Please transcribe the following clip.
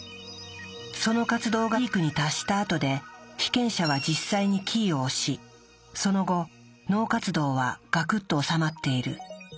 その活動がピークに達したあとで被験者は実際にキーを押しその後脳活動はガクッとおさまっている。